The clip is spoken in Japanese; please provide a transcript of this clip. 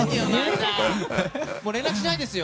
もう連絡しないですよ！